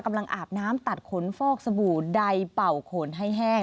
อาบน้ำตัดขนฟอกสบู่ใดเป่าขนให้แห้ง